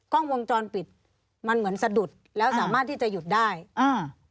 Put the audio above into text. กล้องวงจรปิดมันเหมือนสะดุดแล้วสามารถที่จะหยุดได้อ่า